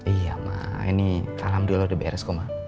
iya ma ini alhamdulillah udah beres kok ma